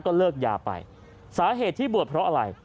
ก็เลิกยาไปสาเหตุที่บวชเพราะอะไร